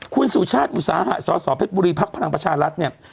คุณสุชาติอุตสาหะสสเพชรบุรีภักดิ์พลังประชารัฐเนี่ย